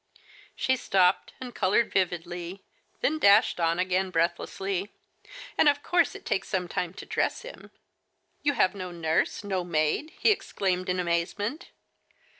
She stopped, and col ored vividly, then dashed on again breathlessly, "And of course it takes some time to dress him." " You have no nurse, no maid !" he exclaimed, in amazement.